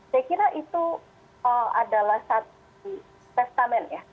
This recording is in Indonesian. saya kira itu adalah satu pestament ya